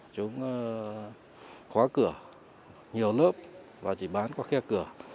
chúng khóa cửa nhiều lớp và chỉ bán qua khe cửa